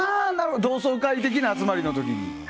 同窓会的な集まりの時に。